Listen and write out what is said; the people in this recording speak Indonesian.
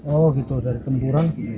oh gitu dari tempuran